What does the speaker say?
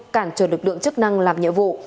cản trở lực lượng chức năng làm nhiệm vụ